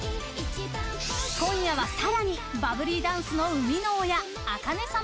今夜はさらにバブリーダンスの生みの親ａｋａｎｅさん